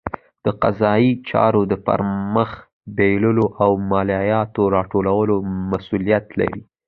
د قضایي چارو د پرمخ بیولو او مالیاتو راټولولو مسوولیت لري.